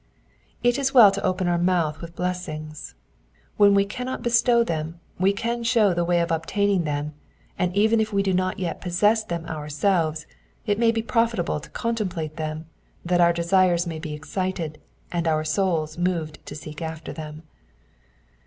It is well to open our mouth with blessings. When we cannot bestow them, we can shew the way of obtaining them, and even if we do not yet possess them ourselves, it may be profitable to contemplate them, that our desires may be excited, and our souls moved to seek after them.